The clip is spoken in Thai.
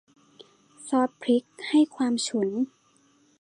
ซอสพริกให้ความฉุน